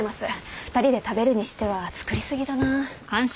２人で食べるにしては作り過ぎだな。